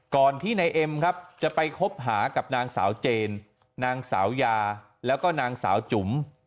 ก่อนที่นายเอ็มครับจะไปคบหากับนางสาวเจนนางสาวยาแล้วก็นางสาวจุ๋ม